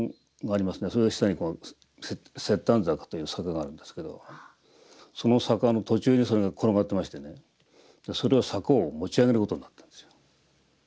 その下に雪潭坂という坂があるんですけどその坂の途中にそれが転がってましてねそれを坂を持ち上げることになったんですよ。